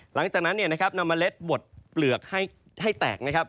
หลังจากนั้นเนี่ยนะครับนำเมล็ดบดเปลือกให้แตกนะครับ